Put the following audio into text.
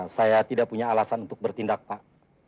saya tidak punya alasan untuk bertindak pak